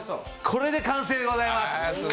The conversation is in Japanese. これで完成でございます！